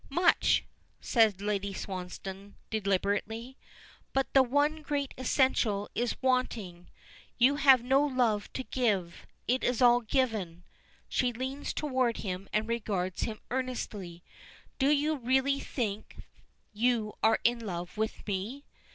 "Much!" says Lady Swansdown, deliberately. "But the one great essential is wanting you have no love to give. It is all given." She leans toward him and regards him earnestly. "Do you really think you are in love with me?